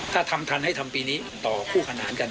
ถ้าทำทันให้ทำปีนี้ต่อคู่ขนานกัน